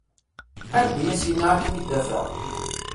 Anda i s-yenna ad kem-id-afeɣ?